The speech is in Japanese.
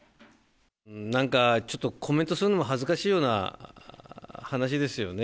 なんかちょっとコメントするのも恥ずかしいような話ですよね。